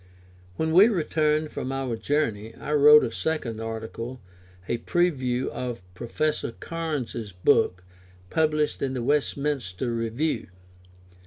When we returned from our journey I wrote a second article, a review of Professor Cairnes' book, published in the Westminster Review.